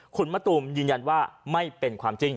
คุณมะตูมยืนยันว่าไม่เป็นความจริง